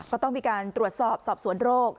ก็ต้องมีการตรวจสอบสอบสวนโรค